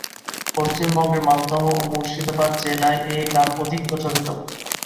পশ্চিমবঙ্গের মালদহ ও মুর্শিদাবাদ জেলায় এ গান অধিক প্রচলিত।